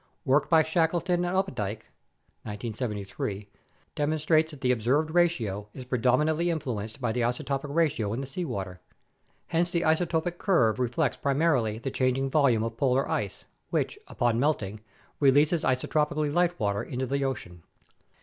Work by Shackleton and Opdyke (1973) demonstrates that the observed ratio is predominantly influ enced by the isotopic ratio in the seawater. Hence the isotopic curve reflects primarily the changing volume of polar ice, which, upon melting, releases isotopically light water into the ocean.